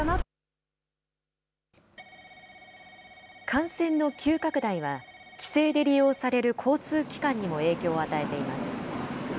感染の急拡大は、帰省で利用される交通機関にも影響を与えています。